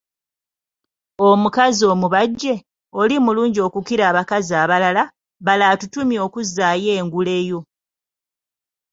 Omukazi omubajje ,oli mulungi okukira abakazi abalala, balo atutumye okuzzaayo engule yo.